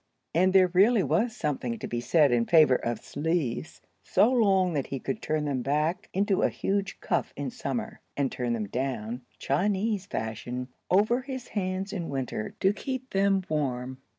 And there really was something to be said in favor of sleeves so long that he could turn them back into a huge cuff in summer, and turn them down, Chinese fashion, over his hands in winter, to keep them warm.